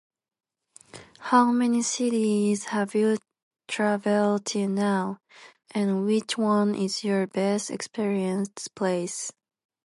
How many cities have you traveled till now and which one is your best experienced place?